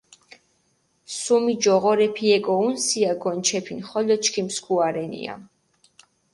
სუმი ჯოღორეფი ეკოჸუნსია გონჩეფინ, ხოლო ჩქიმ სქუა რენია.